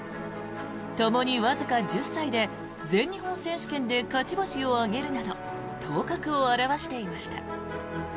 ともにわずか１０歳で全日本選手権で勝ち星を挙げるなど頭角を現していました。